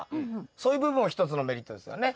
そういう部分も一つのメリットですよね。